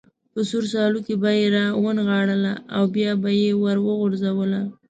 په سور سالو کې به یې را ونغاړله او بیا به یې وروغورځوله.